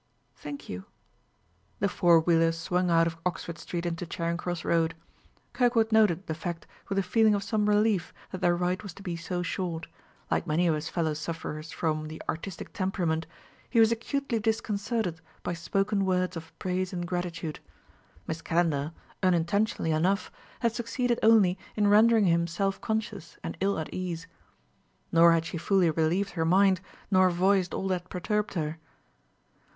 "Thank you ..." The four wheeler swung out of Oxford Street into Charing Cross Road. Kirkwood noted the fact with a feeling of some relief that their ride was to be so short; like many of his fellow sufferers from "the artistic temperament," he was acutely disconcerted by spoken words of praise and gratitude; Miss Calendar, unintentionally enough, had succeeded only in rendering him self conscious and ill at ease. Nor had she fully relieved her mind, nor voiced all that perturbed her.